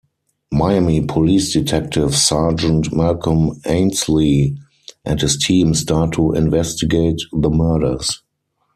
Miami Police Detective Sergeant Malcolm Ainslie and his team start to investigate the murders.